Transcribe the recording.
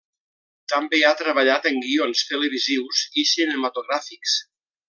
També ha treballat en guions televisius i cinematogràfics.